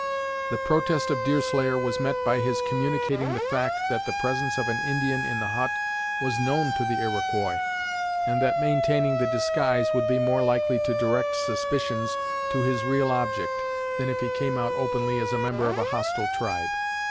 The protest of Deerslayer was met by his communicating the fact that the presence of an Indian in the hut was known to the Iroquois, and that maintaining the disguise would be more likely to direct suspicions to his real object, than if he came out openly as a member of a hostile tribe.